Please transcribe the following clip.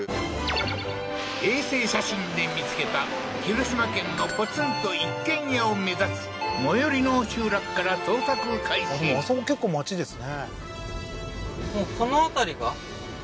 衛星写真で見つけた広島県のポツンと一軒家を目指し最寄りの集落から捜索開始でもあそこ結構町ですね